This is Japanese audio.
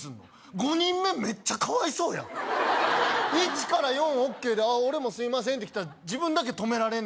メッチャかわいそうやん１から４ＯＫで俺もすいませんって来たら自分だけ止められんね